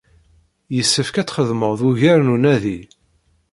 Yessefk ad txedmeḍ ugar n unadi.